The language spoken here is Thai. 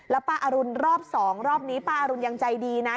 แล้วป้าอรุณรอบ๒รอบนี้ป้าอรุณยังใจดีนะ